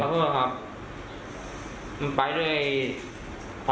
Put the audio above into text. ขอโทษครับเมื่อไปกันอีกครับ